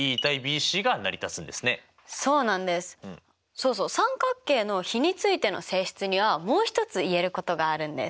そうそう三角形の比についての性質にはもう一つ言えることがあるんです。